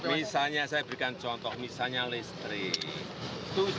misalnya saya berikan contoh misalnya listrik